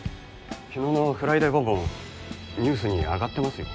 昨日の「フライデーボンボン」ニュースに上がってますよ。